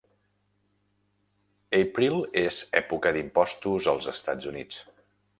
April és època d'impostos als Estats Units.